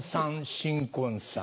新婚さん。